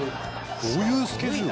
どういうスケジュール？